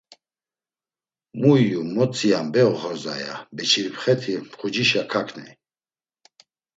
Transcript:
“Mu iyu mo tziyam be oxorza!” ya Beçiripxeti, mxucişa kaǩney.